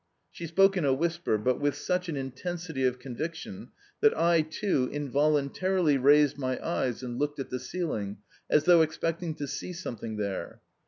She spoke in a whisper, but with such an intensity of conviction that I too involuntarily raised my eyes and looked at the ceiling, as though expecting to see something there.